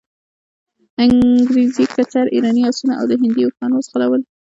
انګریزي کچر، ایراني آسونه او هندي اوښان وځغلول.